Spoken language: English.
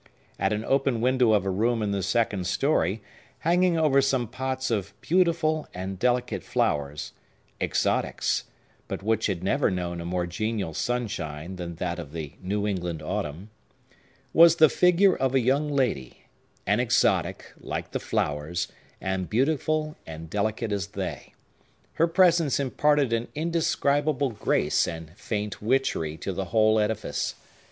At an open window of a room in the second story, hanging over some pots of beautiful and delicate flowers,—exotics, but which had never known a more genial sunshine than that of the New England autumn,—was the figure of a young lady, an exotic, like the flowers, and beautiful and delicate as they. Her presence imparted an indescribable grace and faint witchery to the whole edifice.